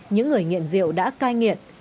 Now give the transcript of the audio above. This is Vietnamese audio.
những người nghiện rượu đã cai nghiện